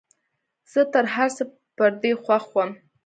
زه تر هرڅه پر دې خوښ وم.